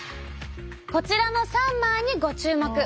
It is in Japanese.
こちらの３枚にご注目！